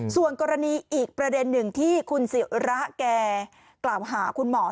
ส่วนกรณีอีกประเด็นหนึ่งที่คุณศิระแกกล่าวหาคุณหมอ